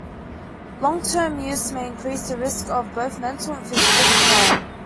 Long-term use may increase the risk of both mental and physical decline.